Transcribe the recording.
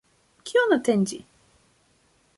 Kion atendi?